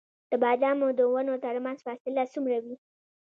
د بادامو د ونو ترمنځ فاصله څومره وي؟